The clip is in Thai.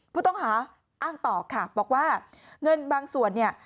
ผู้ต้องหาอ้างต่อค่ะบอกว่าเงินบางส่วนเนี่ย